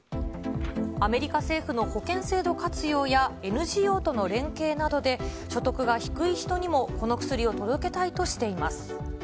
アメリカ政府の保険制度活用や、ＮＧＯとの連携などで、所得が低い人にもこの薬を届けたいとしています。